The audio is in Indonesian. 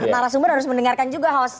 tarasumber harus mendengarkan juga